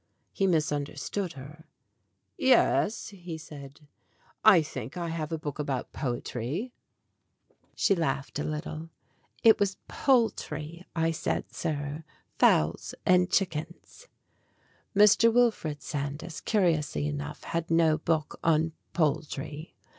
He misunderstood her. "Yes," he said; "I think I have a book about poetry." GREAT POSSESSIONS 11 She laughed a little. "It was poultry I said, sir fowls and chickens." Mr. Wilfred Sandys, curiously enough, had no book on poultry.